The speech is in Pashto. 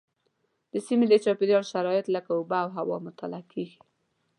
د سیمې د چاپیریال شرایط لکه اوبه او هوا مطالعه کېږي.